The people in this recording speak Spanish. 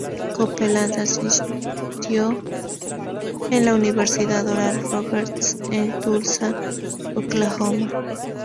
Copeland asistió a la Universidad Oral Roberts en Tulsa, Oklahoma.